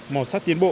mỏ sắt tiến bộ